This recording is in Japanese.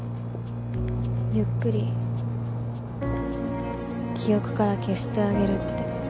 ゆっくり記憶から消してあげるって。